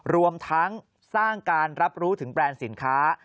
รวมทั้งสร้างการรับรู้ถึงแบรนด์สินค้า